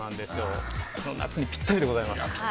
この夏にぴったりでございます。